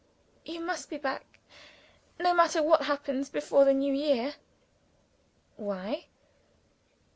"You must be back, no matter what happen, before the new year." "Why?"